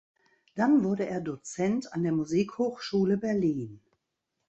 Dann wurde er Dozent an der Musikhochschule Berlin.